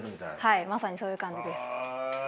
はいまさにそういう感じです。